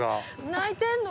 泣いてんの？